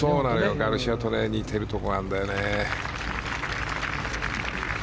ガルシアと似てるところがあるんだよね。